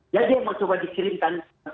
jadi yang mau coba dikirimkan